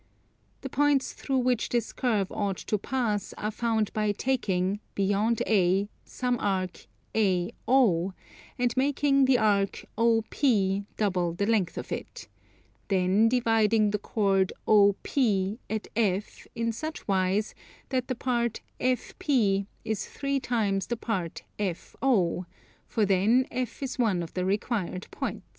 The points through which this curve ought to pass are found by taking, beyond A, some arc AO, and making the arc OP double the length of it; then dividing the chord OP at F in such wise that the part FP is three times the part FO; for then F is one of the required points.